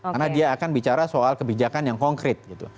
karena dia akan bicara soal kebijakan yang konkret gitu